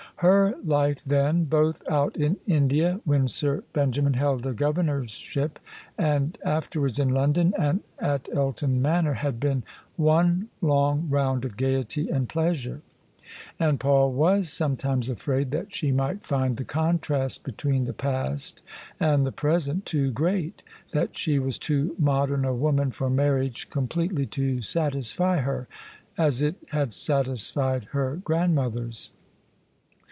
Her life then — ^both out in India, when Sir Benja min held a Governorship, and afterwards in London and at Elton Manor — ^had been one long round of gaiety and pleasure: and Paul was sometimes afraid that she might find the contrast between the past and the present too great — that she was too modern a woman for marriage completely to satisfy her, as it had satisfied her grandmothers.